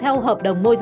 tiêu thụ đặc biệt